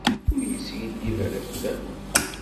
Ur yeskiddib ara fell-akent.